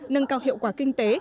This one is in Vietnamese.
nâng cao hiệu quả kinh tế